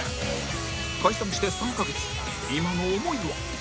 解散して３カ月今の思いは？